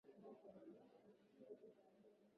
Mtoto anafuata tabia ya wazazi wake